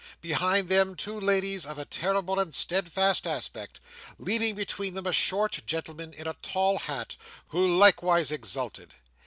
Behind them, two ladies of a terrible and steadfast aspect, leading between them a short gentleman in a tall hat, who likewise exulted.